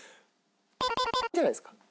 じゃないですか？